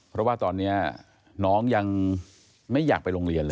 เพราะว่าตอนนี้น้องยังไม่อยากไปโรงเรียนเลย